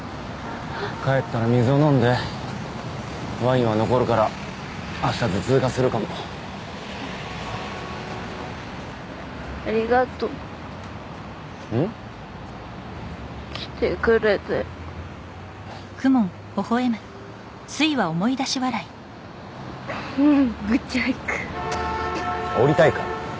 帰ったら水を飲んでワインは残るからあした頭痛がするかもありがとうん？来てくれてふふっブチャイク降りたいか？